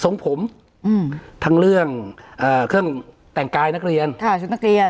ผมอืมทั้งเรื่องเครื่องแต่งกายนักเรียนค่ะชุดนักเรียน